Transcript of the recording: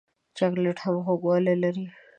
چاکلېټ هم خوږوالی لري.